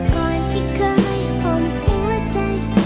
ก่อนที่เคยห่มหัวใจ